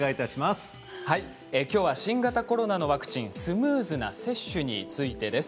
きょうは新型コロナのワクチンスムーズな接種についてです。